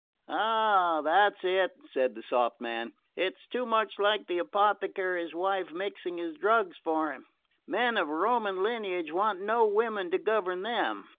"Ah, that's it," said the soft man. "It's too much like the apothecary's wife mixing his drugs for him. Men of Roman lineage want no women to govern them!"